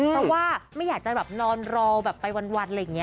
เพราะว่าไม่อยากจะแบบนอนรอแบบไปวันอะไรอย่างนี้